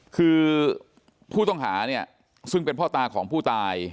คือผู้ต้องหาเนี่ยซึ่งเป็นพ่อตาของผู้ตาย